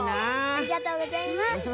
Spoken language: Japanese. ありがとうございます。